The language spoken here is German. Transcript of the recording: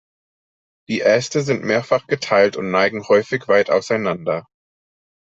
Die Äste sind mehrfach geteilt und neigen häufig weit auseinander.